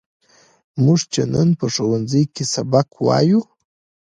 موږ چې نن په ښوونځي کې سبق وایو.